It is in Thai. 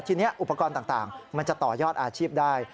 ทีนี้อุปกรณ์ต่างมันจะต่อยอดอาชีพได้